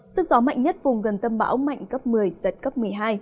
sức gió mạnh nhất vùng gần tâm bão mạnh cấp một mươi giật cấp một mươi hai